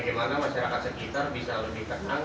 itu apa ada yang bisa dikasih tahu